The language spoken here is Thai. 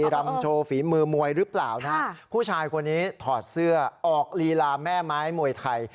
รำโชว์ฝีมือมวยหรือเปล่านะฮะผู้ชายคนนี้ถอดเสื้อออกลีลาแม่ไม้มวยไทย